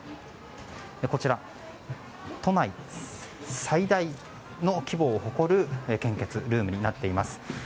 こちら、都内最大の規模を誇る献血ルームになっています。